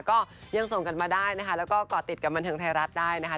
ก็ยังส่งกันมาได้นะคะแล้วก็ก่อติดกับบันเทิงไทยรัฐได้นะคะ